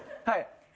はい。